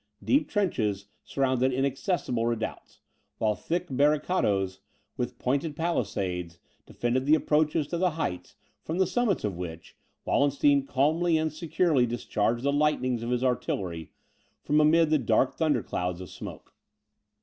Deep trenches surrounded inaccessible redoubts, while thick barricadoes, with pointed palisades, defended the approaches to the heights, from the summits of which, Wallenstein calmly and securely discharged the lightnings of his artillery from amid the dark thunder clouds of smoke.